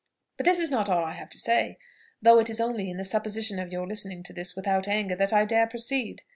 "But this is not all I have to say, though it is only in the supposition of your listening to this without anger that I dare proceed.